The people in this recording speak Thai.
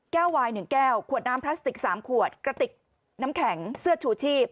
วาย๑แก้วขวดน้ำพลาสติก๓ขวดกระติกน้ำแข็งเสื้อชูชีพ